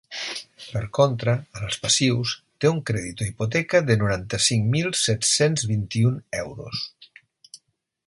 Per contra, en els passius, té un crèdit o hipoteca de noranta-cinc mil set-cents vint-i-un euros.